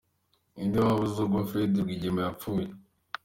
Ni nde waba uzi urwo Fred Rwigema yapfuye ?